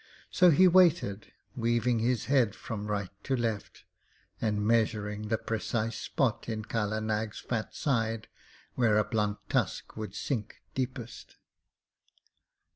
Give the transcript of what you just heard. So he waited, weaving his head from right to left, and measuring the precise spot in Kala Nag's fat side where a blunt tusk would sink deepest.